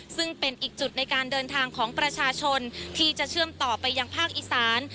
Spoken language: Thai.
ซึ่งเป็นอีกจุดในการเดินทางของประชาชนที่จะเชื่อมต่อไปยังภาคอีสาน